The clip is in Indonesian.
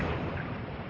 kau hebat sekali